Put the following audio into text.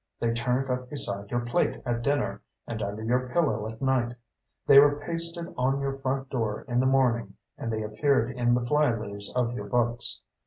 They turned up beside your plate at dinner and under your pillow at night. They were pasted on your front door in the morning and they appeared in the fly leaves of your books.